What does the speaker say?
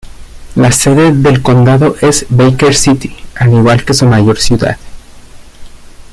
La sede del condado es Baker City, al igual que su mayor ciudad.